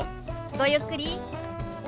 ごゆっくり。